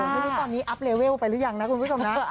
ไม่รู้ตอนนี้อัพเลเวลไปหรือยังนะคุณผู้ชมนะ